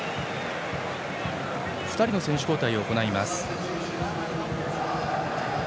２人の選手交代を行います。